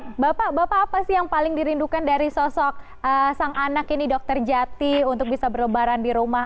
oke bapak bapak apa sih yang paling dirindukan dari sosok sang anak ini dokter jati untuk bisa berlebaran di rumah